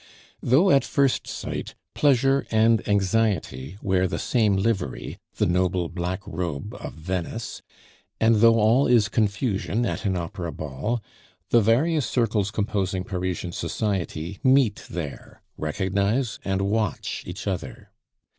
Though at first sight pleasure and anxiety wear the same livery the noble black robe of Venice and though all is confusion at an opera ball, the various circles composing Parisian society meet there, recognize, and watch each other.